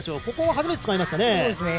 ここを初めて使いましたね。